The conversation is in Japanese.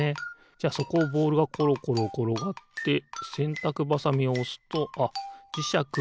じゃあそこをボールがころころころがってせんたくばさみをおすとあっじしゃくがおちるのかな？